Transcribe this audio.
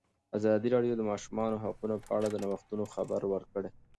ازادي راډیو د د ماشومانو حقونه په اړه د نوښتونو خبر ورکړی.